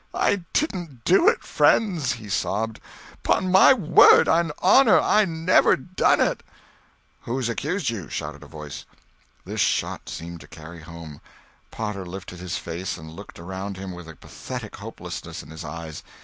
"I didn't do it, friends," he sobbed; "'pon my word and honor I never done it." "Who's accused you?" shouted a voice. This shot seemed to carry home. Potter lifted his face and looked around him with a pathetic hopelessness in his eyes.